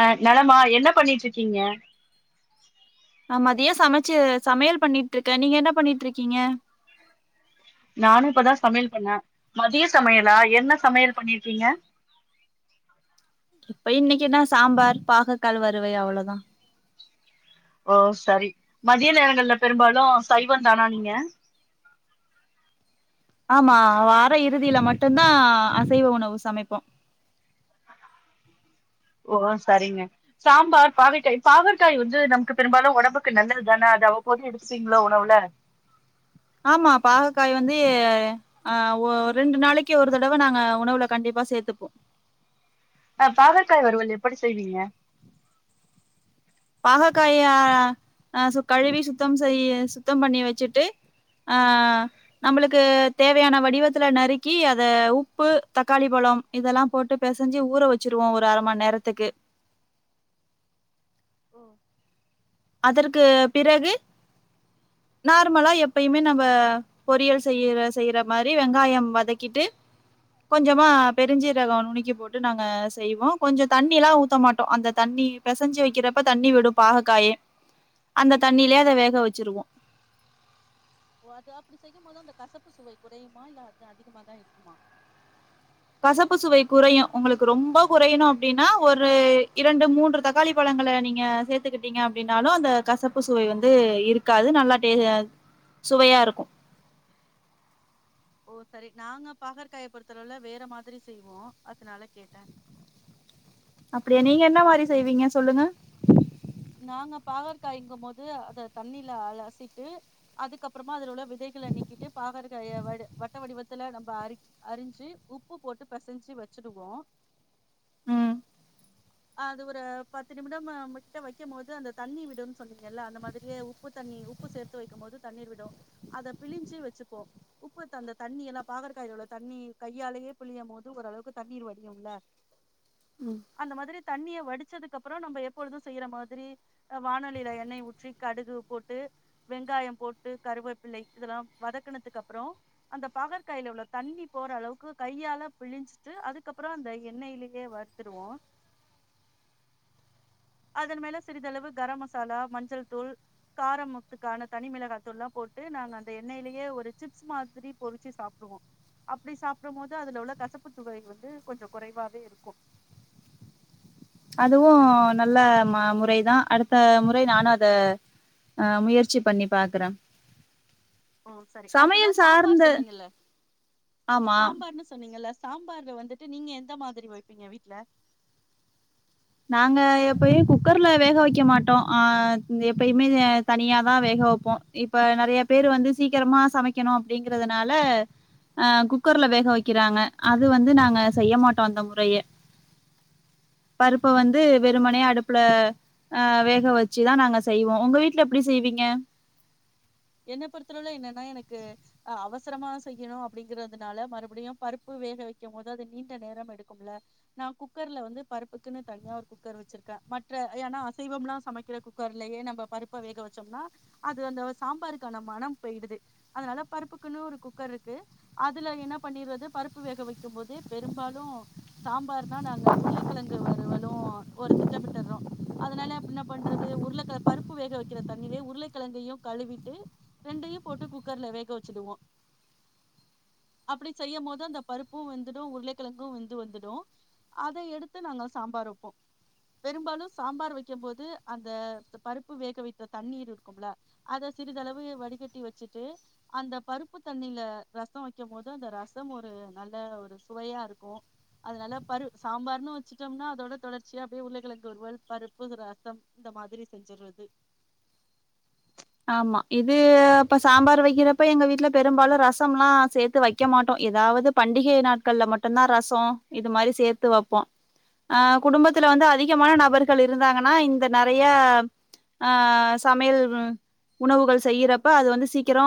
அ நலமா என்ன பண்ணிட்டு இருக்கீங்க ந மதியா சமைச்சு சமையல் பண்ணிட்டுருக்க நீ என்ன பண்ணிட்டு இருக்கீங்க நானு இப்பதா சமையல் பண்ண மதிய சமையலா என்ன சமையல் பண்ணிருக்கிங்க இப்ப இன்னைக்கு என்னா சாம்பார் பாகற்க்காய் வறுவல் அவ்வளோதான் ஓ சரி மதிய நேரங்கல்லா பெரும்பாலு சைவ தானா நீங்க ஆமா வார இறுதியில மட்டுதா அசைவ உணவு சமைப்போ [unintelligible] ஓ சரிங்க சாம்பார் பாகைக்காய் பாவற்காய் வந்து நமக்கு பெரும்பாலு ஒடம்புக்கு நல்லது தான அது அவ்வபோது எடுத்துப்பிங்ளோ உணவுல ஆமா பாகக்காய் வந்து ஆ ஓ ரெண்டு நாளைக்கு ஒரு தடவ நாங்க உணவுல கண்டிப்பா சேத்துப்போ ஆ பாகற்காய் வருவல் எப்படி செய்வீங்க பாகக்காய கழுவி சுத்தம் செய் சுத்தம் பண்ணி வச்சுட்டு ஆ நம்மளுக்கு தேவையான வடிவத்துல நறுக்கி அத உப்பு தக்காளி பழம் இதெல்லா போட்டு பெசஞ்சி ஊற வச்சிருவோ ஒரு அர மண் நேரத்துக்கு ஓ அதற்கு பிறகு நார்மலா எப்பயுமே நம்ம பொரியல் செய்ய செய்யற மாரி வெங்காயம் வதக்கிட்டு கொஞ்சமா பெருஞ்சீரகம் நுனிக்கி போட்டு நாங்க செய்வோ கொஞ்ச தண்ணி எல்லா ஊத்த மாட்டோ அந்த தண்ணி பெசஞ்சி வைக்கிறப்ப தண்ணி விடும் பாக காயே அந்த தண்ணியிலயே அத வேக வச்சிருவோ ஓ அது அப்டி செய்யும் போது அந்த கசப்பு சுவை குறையுமா இல்ல அது அதிகமா தா இருக்குமா கசப்பு சுவை குறையும் உங்களுக்கு ரொம்ப குறையணு அப்டின்னா ஒரு இரண்டு மூன்று தக்காளி பழங்கள நீங்க சேத்துக்கிட்டீங்க அப்டின்னாலு அந்த கசப்பு சுவை வந்து இருக்காது நல்லா டே அ சுவையா இருக்கும் ஓ சரி நாங்க பாகற்காய பொருத்த அளவுல வேற மாதிரி செய்வோ அதனால கேட்டே அப்டியா நீங்க என்ன மாரி செய்வீங்க சொல்லுங்க நாங்க பாகற்காயங்கும் போது அத தண்ணில அலசிட்டு அதுக்கப்புறமா அதல உள்ள விதைகள நீக்கிட்டு பாகற் காய வடு வட்ட வடிவத்துல நம்ம அ அறிஞ்சு உப்பு போட்டு பெசஞ்சு வச்சுருவோ ம் அது ஒரு பத்து நிமிடம்கிட்ட வைக்கம் போது அந்த தண்ணி விடும்னு சொன்னீங்கல்ல அந்த மாதிரியே உப்பு தண்ணி உப்பு சேர்த்து வைக்கும் போது தண்ணீர் விடு அத பிழிஞ்சு வச்சுப்போ உப்பு த அந்த தண்ணி எல்லா பாகற்க்காயில உள்ள தண்ணி கையாலயே புழியும் போது ஓரளவுக்கு தண்ணீர் வடியும்ல உம் அந்த மாதிரி தண்ணிய வடிச்சதுக்கப்பறோ நம்ம எப்பொழுதும் செய்யற மாதிரி ஆ வாணலில எண்ணெய் ஊற்றி கடுகு போட்டு வெங்காயம் போட்டு கருவேப்பிளை இதெல்லா வதக்குனதுக்கு அப்புறோ அந்த பாகற்காயில உள்ள தண்ணி போற அளவுக்கு கையால பிழிஞ்சுட்டு அதுக்கப்புற அந்த எண்ணெய்லயே வ வறுத்துருவோ அதன் மேல சிறிதளவு கரம் மசாலா மஞ்சள் தூள் காரமுத்துக்கான தனி மிளகாத்தூள்ல்லா போட்டு நாங்க அந்த எண்ணெயிலயே ஒரு சிப்ஸ் மாதிரி பொறிச்சு சாப்புடுவோ அப்டி சாப்டும் போது அதுல உள்ள கசப்பு சுவை வந்து கொஞ்ச குறைவாவே இருக்கும் அதுவும் நல்ல ம முறைதா அடுத்த முறை நானும் அத ஆ முயற்சி பண்ணி பாக்குற ஓ சரி அடுத்ததா சாம்பார் சார்ந்த சொன்னீங்கல்ல ஆமா சாம்பார்ன்னு சொன்னீங்கல்ல சாம்பார்ல வந்துட்டு நீங்க எந்த மாதிரி வைப்பீங்க வீட்டுல நாங்க எப்பயு குக்கர்ல வேக வைக்க மாட்டோ ஆ எப்பயுமே தனியாதா வேக வைப்போ இப்ப நிறைய பேரு வந்து சீக்கிரமா சமைக்கணு அப்டிங்கறதுனால ஆ குக்கர்ல வேக வைக்கிறாங்க அது வந்து நாங்க செய்ய மாட்டோ அந்த முறைய பருப்ப வந்து வெறுமனை அடுப்புல ஆ வேக வச்சுதா நாங்க செய்வோ உங்க வீட்டுல எப்டி செய்வீங்க என்ன பொறுத்தளவுல என்னன்னா எனக்கு அ அவசரமா செய்யணு அப்டிங்கறதுனால மறுபடியு பருப்பு வேக வைக்கும் போது அது நீண்ட நேரம் எடுக்கும்ல நா குக்கர்ல வந்து பருப்புக்குன்னு தனியா ஒரு குக்கர் வச்சிருக்கேன் மற்ற ஏன்னா அசைவம்ல்லா சமைக்கிற குக் குக்கர்லயே நம்ம பருப்ப வேக வச்சம்னா அது அந்த சாம்பாருக்கான மணம் போயி்டுது அதனால பருப்புக்குன்னு ஒரு குக்கர் இருக்கு அதுல என்ன பண்ணிரது பருப்பு வேக வைக்கும் போது பெரும்பாலு சாம்பார்னா நாங்க உருளைக்கிழங்கு வருவலும் ஒரு திட்டமிட்டறோ அதனாலப் என்ன பண்றது உருளக்கிழ பருப்பு வேக வைக்கிற தண்ணீலே உருளக்கிழங்கையு கழுவிட்டு ரெண்டையு போட்டு குக்கர்ல வேக வச்சுடுவோ அப்டி செய்யும் போது அந்த பருப்பு வெந்துடு உருளைக்கிழங்கு வெந்து வந்துடும் அத எடுத்து நாங்க சாம்பார் வப்போ பெரும்பாலு சாம்பார் வைக்க போது அந்த பருப்பு வேக வைத்த தண்ணீர் இருக்கும்ல அத சிறிதளவு வடிகட்டி வச்சுட்டு அந்த பருப்பு தண்ணில ரச வைக்கும் போது அந்த ரசம் ஒரு நல்ல ஒரு சுவையா இருக்கு அதனால பரு சாம்பார்ன்னு வச்சுட்டோம்னா அதோட தொடர்ச்சியா அப்டியே உருளக்கிழங்கு வறுவல் பருப்பு ரசம் இந்த மாதிரி செஞ்சுர்றது ஆம்மா இது அப்ப சாம்பார் வைக்கிறப்ப எங்க வீட்ல பெரும்பாலு ரசம்லா சேத்து வைக்க மாட்டோ ஏதாவது பண்டிகை நாட்கள்ல மட்டுதா ரசோ இது மாரி சேத்து வப்போ அ குடும்பத்துல வந்து அதிகமான நபர்கள் இருந்தாங்கனா இந்த நெறையா ஆ சமையல் உணவுகள் செய்யறப்ப அது வந்து சீக்கிரோ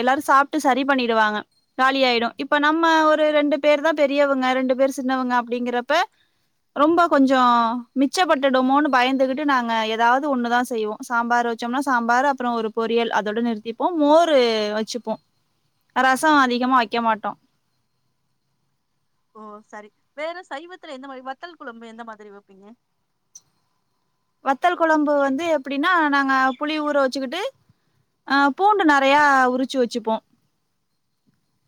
எல்லாரு சாப்ட்டு சரி பண்ணிடுவாங்க காலியாயிடு இப்ப நம்ம ஒரு ரெண்டு பேர் தா பெரியவுங்க ரெண்டு பேர் சின்னவங்க அப்டிங்கறப்ப ரொம்ப கொஞ்சோ மிச்சப்பட்டுடுமோனு பயந்துகிட்டு நாங்க ஏதாவது ஒண்ணுதா செய்வோ சாம்பார் ச்சம்னா சாம்பார் அப்றோ ஒரு பொரியல் அதோட நிறுத்திப்போ மோரு வச்சுப்போ ரச அதிகமா வக்க மாட்டோ ஓ சரி வேறு சைவத்துல எந்த மாரி வத்தல் குழம்பு எந்த மாதிரி வப்பீங்க வத்தல் குழம்பு வந்து எப்டின்னா நாங்க புளி ஊற வச்சுக்கிட்டு ஆ பூண்டு நெறையா உரிச்சு வச்சுப்போ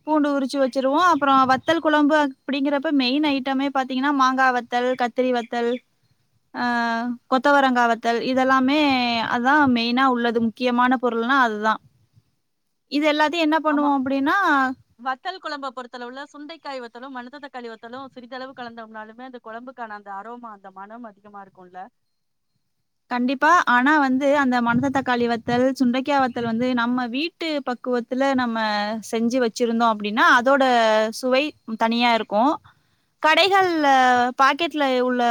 பூண்டு உரிச்சு வச்சுருவோ அப்பற வத்தல் குழம்பு அப்டிங்கறப்ப மெயின் ஐட்டமே பாத்தீங்ன்னா மாங்கா வத்தல் க த்திரி வத்தல் அ கொத்தவரங்கா வத்தல் இதெல்லாமே அதா மெய்னா உள்ளது முக்கியமான பொருள்னா அதுதா இது எல்லாத்தையு என்ன ஆமா பண்ணுவோ அப்டின்னா வத்தல் குழம்ப பொருத்தளவுல சுண்டைக்காயி வத்தலு மனத்து தக்காளி வத்தலு சிறிதளவு கலந்தோம்னாலுமே அது கொழம்புக்கான அந்த அரோமா அந்த மனம் அதிகமா இருக்குல்ல கண்டிப்பா ஆனா வந்து அந்த மனத்து தக்காளி வத்தல் சுண்டைக்கா வத்தல் வந்து நம்ம வீட் வீட்டு பக்குவத்துல நம்ம செஞ்சு வச்சிருந்தோ அப்டின்னா அதோட சுவை ம்ம தனியா இருக்கோ கடைகள்ல பாக்கெட்ல உள்ள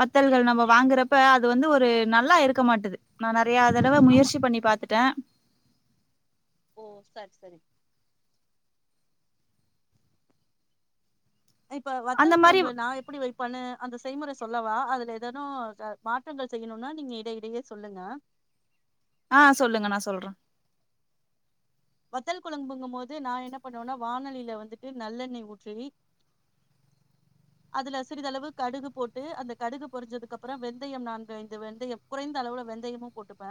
வத்தல்கள் நம்ம வாங்குறப்ப அத் இது வந்து ஒரு நல்லா இருக்க மாட்டுது நா நெறைய தடவ ஆமா. முயற்சி பண்ணி பாத்துட்ட ஓ சரி சரி இப்ப அந்த வத்தல் மாரி குழம்பு நா எப்டி வைப் பண்ணு அந்த செய்முறை சொல்லவா அதுல ஏதேனு மாற்றங்கள் செய்யணுனா நீங்க இடையிடையே சொல்லுங்க ஆ சொல்லுங்க நா சொல்ற வத்தல் குழம்புங்கும் போது நா என்ன பண்ணுவனா வானலில வந்துட்டு நல்லெண்ணெய் ஊற்றி அதுல சிறிதளவு கடுகு போட்டு அந்த கடுகு பொரிஞ்சதுக்கு அப்பறோ வெந்தயம் நான்கு ஐந்து வெந்தயம் குறைந்த அளவுல வெந்தயமு போட்டுப்ப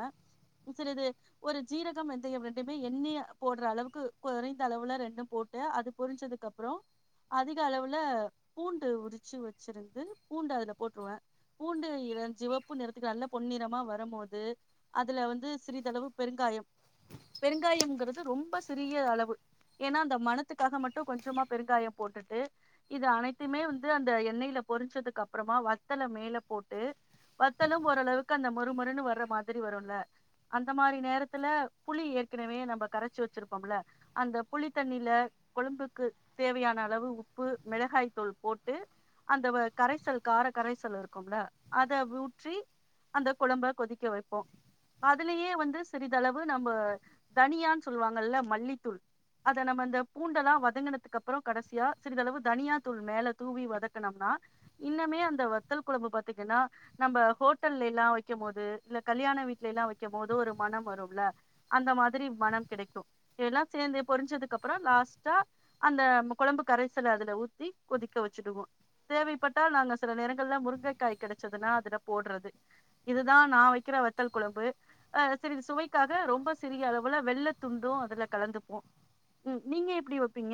சிறிது ஒரு ஜீரகம் வெந்தயம் ரெண்டுமே எண்ணெய போடுற அளவுக்கு குறைந்த அளவுல ரெண்டும் போட் அது பொரிஞ்சதுக்கு அப்புறோ அதிக அளவுல பூண்டு உரிச்சு வச்சிருந்து பூண்ட அதுல போட்ருவ பூண்டு இல சிவப்பு நிறத்துக்கு நல்ல பொன்னிறமா வரம்போது அதுல வந்து சிறிதளவு பெருங்காயம் பெருங்காயம்ங்றது ரொம்ப சிறிய அளவு ஏனா அந்த மனத்துக்காக மட்டு கொஞ்சமா பெருங்காயம் போட்டுட்டு இத அனைத் திய்மே வந்து அந்த எண்ணெயில பொரிச்சதுக்கப்றமா வத்தல மேல போட்டு வத்தலும் ஓரளவுக்கு அந்த மொறு மொறுன்னு வர்ற மாதிரி வருல்ல அந்த மாரி நேரத்துல புளி ஏற்கனவே நம்ம கரச்சி வச்சிருப்போமுல அந்த புளித்தண்ணில கொழம்புக்கு தேவையான அளவு உப்பு மிளகாய் தூள் போட்டு அந்த வ கரைசல் கார கரைசல் இருக்கும்ல அத ஊற்றி அந்த குழம்ப கொதிக்க வைப்போ அதுலயே வந்து சிறிதளவு நம்ம தனியான்னு சொல்லுவாங்கல்ல மல்லித்தூள் அத நம்ம இந்த பூண்டெல்லா வதங்கினதுக்கு அப்றோ கடசியா சிறிதளவு தனியா தூள் மேல தூவி வதக்கனும்னா இன்னமே அந்த வத்தல் குழம்பு பாத்தீங்கன்னா நம்ப ஹோட்டல்ல எல்லா வைக்கம் போது இல்ல கல்யாண வீட்ல எல்லா வைக்க போது ஒரு மனம் வரும்ல அந்த மாதிரி மனம் கிடைக்கு இதெல்லா சேர்ந்து பொரிஞ்சதுக்கு அப்றோ லாஸ்ட்டா அந்த குழம்பு கரைசலை அதுல ஊத்தி கொதிக்க வச்சுடுவோ தேவைப்பட்டால் நாங்க சில நேரங்கள்ல முருங்கைக்காய் கிடைச்சதுன்னா அதுல போடுறது இதுதா நா வக்கிற வத்தல் குழம்பு அ சிறிது சுவைக்காக ரொம்ப சிறிய அளவுல வெள்ள துண்டு அதுல கலந்துப்போ ம் நீங்க எப்டி வப்பீங்க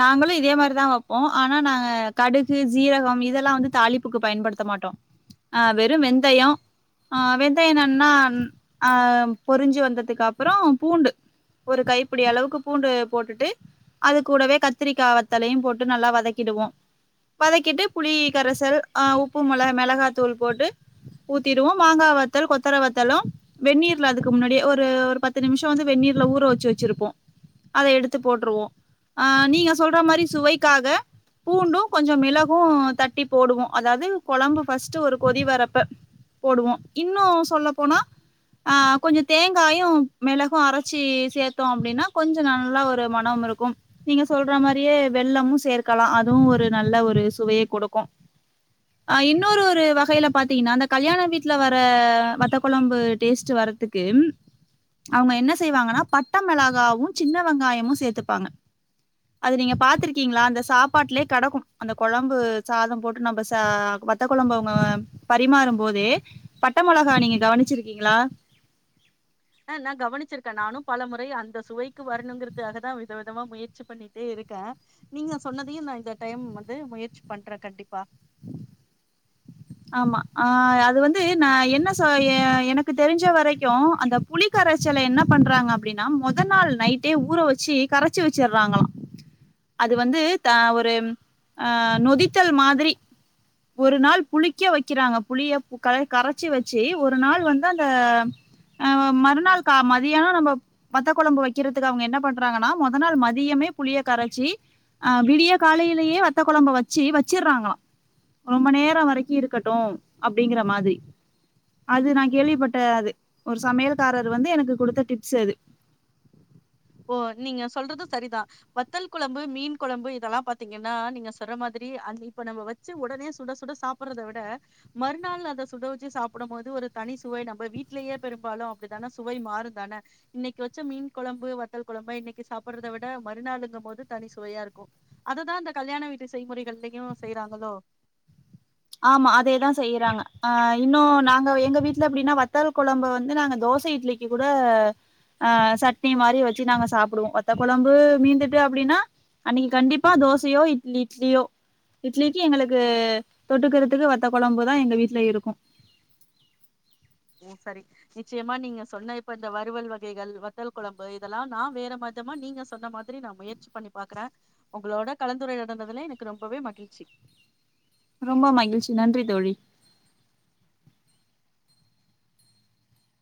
நாங்களு இதே மாதிரிதா வைப்போ ஆனா நாங்க கடுகு ஜீரகம் இதெல்லா வந்து தாலிப்புக்கு பயன்படுத்த மாட்டோ ஆ வெறு வெந்தயோ ஆ வெந்தயனம்ன்னா அ பொரிஞ்சு வந்ததுக்கு அப்றோ பூண்டு ஒரு கைப்பிடி அளவுக்கு பூண்டு போட்டுட்டு அது கூடவே கத்திரிக்காவத்தலையு போட்டு நல்லா வதக்கிடுவோ வதக்கிட்டு புளி கரைசல் அ உப்பு மிள மெளகாத்தூள் போட்டு ஊத்திடுவோ மாங்கா வத்தலு கொத்தர வத்தலு வெந்நீர்ல அதுக்கு முன்னாடியே ஒரு பத்து நிம்ஷொ வந்து வெந்நீர்ல ஊற வச்சு வச்சிருப்போ அத எடுத்து போட்ருவோ ஆ நீங்க சொல்ற மாரி சுவைக்காக பூண்டு கொஞ்சோ மிளகு தட்டி போடுவோம் அதாவது குழம்பு ஃபர்ஸ்ட் ஒரு கொதி வரப்ப போடுவோம் இன்னு சொல்ல போனா அ கொஞ்சொ தேங்காயு மெளகு அரச்சி சேத்தோ அப்டின்னா கொஞ்சோ நல்லா ஒரு நம் இருக்கும் நீங்க சொல்ற மாரியே வெள்ளமு சேர்க்கலா அதுவு ஒரு நல்ல ஒரு சுவைய கொடுக்கு ஆ இன்னொரு ஒரு வகைல பாத்திங்கன்னா இந்த கல்யாண வீட்ல வர வத்த கொழம்பு டேஸ்ட் வரதுக்கு க்கு அவுங்க என்ன செய்வாங்கன்னா பட்ட மெளகாவு சின்ன வெங்காயமு சேத்துப்பாங்க அது நீங்க பாத்திருக்கீங்களா அந்த சாப்பாட்டுலயே கெடக்கு அந்த கொழம்பு சாதோ போட்டு நம்ம ச வத் வத்த கொழம்ப அவுங்க பரிமாறு போதே பட்ட மொளகா நீங்க கவுனிச்சிருக்கீங்களா அ நா கவனிச்சுருக்கே நானு பல முறை அந்த சுவைக்கு வரணுங்குறதுகாகதா விதவிதமா முயற்சி பண்ணிட்டே இருக்கே நீங்க சொன்னதயு நா இந்த டைம் வந்து முயற்சி பண்றே கண்டிப்பா ஆமா ஆ அது வந்து ந என்ன ச எனக்கு தெருஞ்ச வரைக்கு அந்த புளி க்கரைச்சல என்ன பண்றாங்க அப்டின்னா மொத நாள் நைட்டே ஊற வச்சு கரச்சி வச்சுறாங்களா அது வந்து த ஒரு அ நொதித்தல் மாதிரி ஒரு நாள் புளிக்க வைக்குறாங்க புளிய க கரச்சு வச்சு ஒரு நாள் வந்து அந்த ஆ மறுநாள் கா மதியானோ நம்ம வத்த குழம்பு வைக்கிறதுக்கு அவுங்க என்ன பண்றாங்கன்னா மொத நாள் மதியமே புளிய கரச்சி அ விடிய காலையிலேயே வத்த குழம்ப வச்சு வச்சறாங்களா ரொம்ப நேரோ வரைக்கு இருக்கட்டு அப்டிங்கிற மாதிரி அது நா கேள்விப்பட்டாது ஒரு சமையல்காரர் வந்து எனக்கு குடுத்த டிப்ஸ் அது ஓ நீங்க சொல்றது சரிதா வத்தல் குழம்பு மீன் குழம்பு இதெல்லா பாத்தீங்கன்னா நீங்க சொல்ற மாதிரி அது இப்ப நம்ம வ வச்ச உடனே சுட சுட சாப்புட்றத விட மறுநாள் அத சுட வச்சு சாப்புடம் போது ஒரு தனி சுவை நம்ம வீட்லயே பெரும்பாலு அப்டிதானே சுவை மாறுந்தானே இன்னிக்கு வச்ச மீன் கொழம்பு வத்தல் கொழம்பு இன்னிக்கு சாப்பிடுறத விட மறுநாளுங்கு போது தனி சுவையா இருக்கு அதுதா இந்த கல்யாண வீட்டு செய்முறைகள்லயையு செய்றாங்களோ ஆமா அதேதா செய்றாங்க அ இன்னு நாங்க எங்க வீட்ல எப்டின்னா வத்தல் குழம்ப வந்து நாங்க தோச இட்லி கி கூட அ சட்னி மாரி வச்சி நாங்க சாப்டுவோ வத்த கொழம்பு மீந்துட்டு அப்டினா அன்னைக்கி கண்டிப்பா தோசையோ இட்லி இட்லியோ இட்லிக்கி எங்களுக்கு தொட்டுக்கறதுக்கு வத்த கொழம்பு தா எங்க வீட்ல இருக்கு வு சரி நிச்சயமா நீங்க சொன்ன இப்ப இந்த வறுவல் வகைகள் வத்தல் கொழம்பு இதல்லா நா வேற மார்தாமா நீங்க சொன்ன மாத் ரி நா முயற்சி பண்ணி பாக்குற உங்களோட கலந்துரையாடுனதுல எனக்கு ரொம்பவே மகிழ்ச்சி ரொம்ப மகிழ்ச்சி நன்றி தோழி